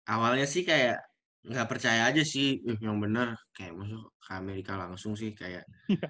awalnya sih kayak nggak percaya aja sih memang benar kayak masuk ke amerika langsung sih kayak